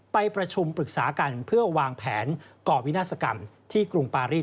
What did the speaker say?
ไปประชุมปรึกษากันเพื่อวางแผนก่อวินาศกรรมที่กรุงปารีส